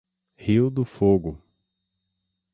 Rio do Fogo